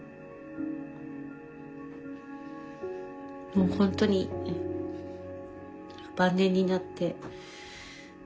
もう本当に晩年になって。